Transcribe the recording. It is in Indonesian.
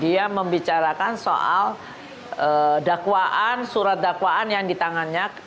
dia membicarakan soal dakwaan surat dakwaan yang di tangannya